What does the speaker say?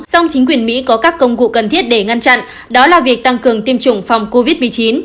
song chính quyền mỹ có các công cụ cần thiết để ngăn chặn đó là việc tăng cường tiêm chủng phòng covid một mươi chín